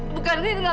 cukup dewi cukup